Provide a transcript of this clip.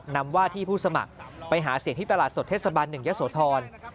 นำว่าที่ผู้สมัครไปหาเสียงที่ตลาดสดเทศบาล๑ยะโสธร